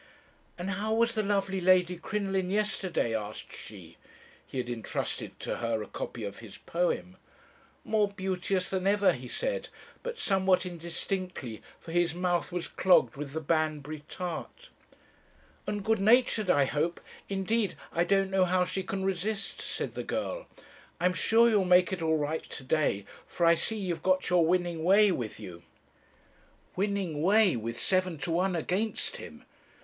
"'And how was the lovely Lady Crinoline yesterday?' asked she. He had entrusted to her a copy of his poem. "'More beauteous than ever,' he said, but somewhat indistinctly, for his mouth was clogged with the Banbury tart. "'And good natured, I hope. Indeed, I don't know how she can resist,' said the girl; 'I'm sure you'll make it all right to day, for I see you've got your winning way with you.' "Winning way, with seven to one against him!